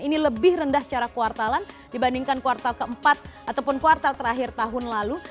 ini lebih rendah secara kuartalan dibandingkan kuartal keempat ataupun kuartal terakhir tahun lalu